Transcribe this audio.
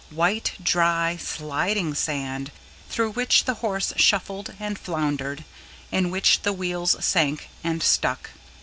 White, dry, sliding sand, through which the horse shuffled and floundered, in which the wheels sank and stuck.